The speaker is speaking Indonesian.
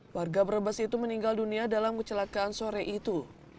warga brebes itu meninggal dunia dalam kecelakaan sore itu